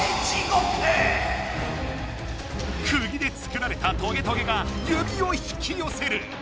クギで作られたトゲトゲが指を引きよせる！